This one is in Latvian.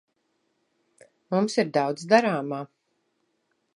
Mums ir daudz darāmā.